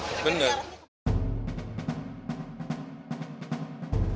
masukan dari bapak pak